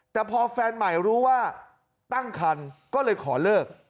แต่พอแฟนใหม่รู้ว่าตั้งคันก็เลยขอเลิก